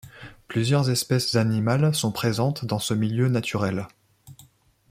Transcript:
Plusieurs espèces animales sont présentes dans ce milieu naturel.